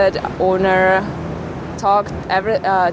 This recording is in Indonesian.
saya berbicara dengan dia